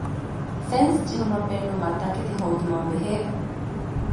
ފެންސް ޖެހުމަށް ބޭނުންވާ ތަކެތި ހޯދުމާބެހޭ